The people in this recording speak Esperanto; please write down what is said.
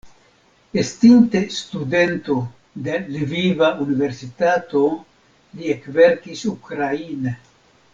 Estinte studento de Lviva Universitato li ekverkis ukraine.